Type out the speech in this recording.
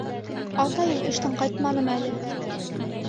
Атайың эштән ҡайтманымы әле?